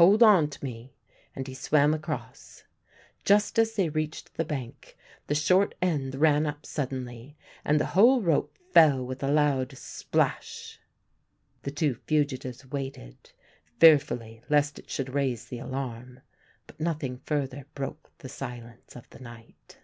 "Hold on to me," and he swam across. Just as they reached the bank the short end ran up suddenly, and the whole rope fell with a loud splash. The two fugitives waited fearfully lest it should raise the alarm, but nothing further broke the silence of the night.